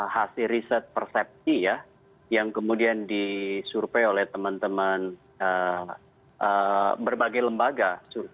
hasil riset persepsi ya yang kemudian disurvei oleh teman teman berbagai lembaga